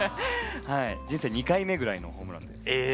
人生２回目ぐらいのホームランで。